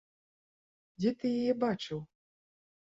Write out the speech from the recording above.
Дзе ты яе бачыў?